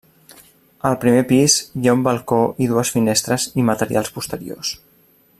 Al primer pis hi ha un balcó i dues finestres i materials posteriors.